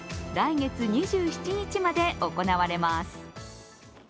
来月２７日まで行われます。